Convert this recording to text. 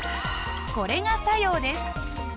これが作用です。